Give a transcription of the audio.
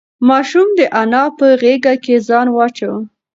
ماشوم د انا په غېږ کې ځان واچاوه.